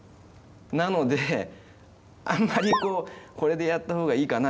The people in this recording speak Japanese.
なのであんまりこうこれでやった方がいいかな？